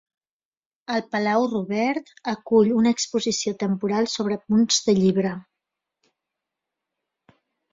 El Palau Robert acull una exposició temporal sobre punts de llibre.